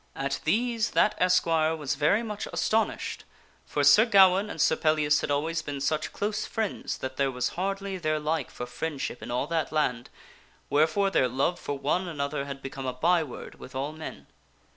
At these that esquire was very much astonished, for Sir Gawaine and Sir Pellias had always been such close friends that there was hardly their like for friendship in all that land, wherefore their love for one another had become a byword with all men.